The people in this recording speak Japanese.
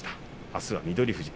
あすは翠富士。